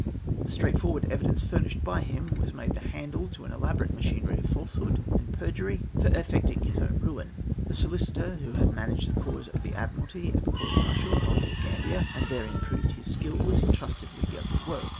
The straightforward evidence furnished by him was made the handle to an elaborate machinery of falsehood and perjury for effecting his own ruin. The solicitor who had managed the cause of the Admiralty at the court martial on Lord Gambier, and therein proved his skill, was entrusted with the ugly work.